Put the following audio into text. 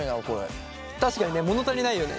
確かにね物足りないよね。